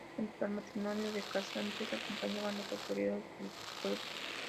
Junto al matrimonio de pasantes, acompañaban las autoridades del pueblo.